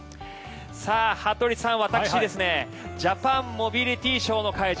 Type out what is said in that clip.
羽鳥さん、私ジャパンモビリティショーの会場